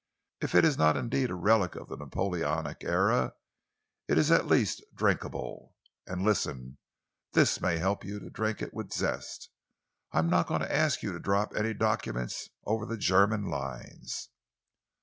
If it is not indeed a relic of the Napoleonic era, it is at least drinkable. And listen this may help you to drink it with zest I am not going to ask you to drop any documents over the German lines."